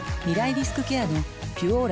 リスクケアの「ピュオーラ」